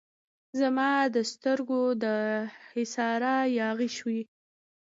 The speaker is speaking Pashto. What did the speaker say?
زما د سترګو د حصاره یاغي شوی